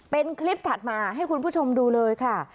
เป็นคลิปถัดมาให้คุณผู้ชมดูเลยค่ะ